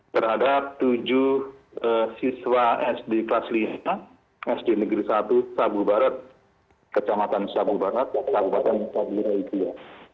terhadap tujuh siswa sd kelas lima sd negeri satu sabu barat kecamatan sabu barat kabupaten saburaitua